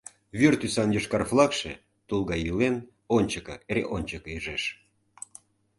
Вӱр тӱсан йошкар флагше, тул гай йӱлен, ончыко, эре ончыко ӱжеш.